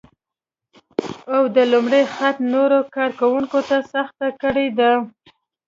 او د لومړي خط نورو کار کونکو ته سخته کړې ده